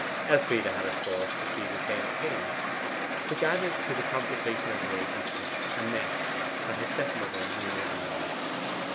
Elfride had of course perceived the same thing, which added to the complication of relationship a mesh that her stepmother knew nothing of.